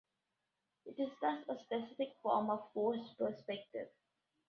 It is thus a specific form of forced perspective.